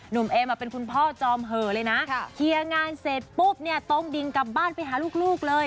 เอมเป็นคุณพ่อจอมเหอะเลยนะเคลียร์งานเสร็จปุ๊บเนี่ยตรงดิงกลับบ้านไปหาลูกเลย